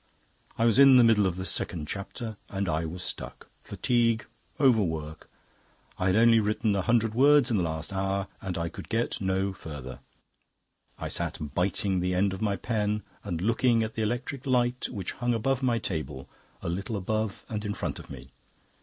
I was in the middle of the second chapter, and I was stuck. Fatigue, overwork I had only written a hundred words in the last hour, and I could get no further. I sat biting the end of my pen and looking at the electric light, which hung above my table, a little above and in front of me."